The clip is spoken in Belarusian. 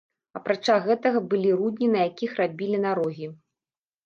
Апрача гэтага, былі рудні, на якіх рабілі нарогі.